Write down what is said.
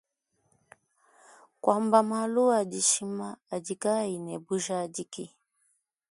Kuamba malu adishima adi kaayi ne bujadiki.